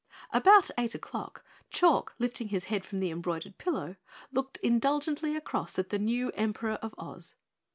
About eight o'clock, Chalk, lifting his head from the embroidered pillow, looked indulgently across at the new Emperor of Oz.